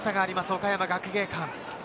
岡山学芸館。